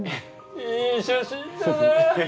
いい写真だな！